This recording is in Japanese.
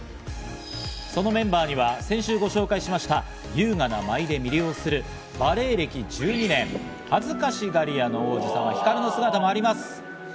そのメンバーには先週ご紹介しました、優雅な舞で魅了するバレエ歴１２年、恥ずかしがり屋な王子様、ＨＩＫＡＲＵの姿もあります。